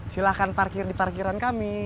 silahkan parkir di parkiran kami